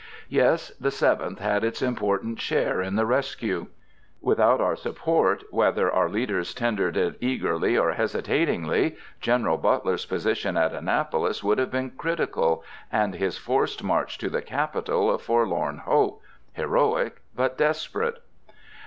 Yes, the Seventh had its important share in the rescue. Without our support, whether our leaders tendered it eagerly or hesitatingly, General Butler's position at Annapolis would have been critical, and his forced march to the capital a forlorn hope, heroic, but desperate.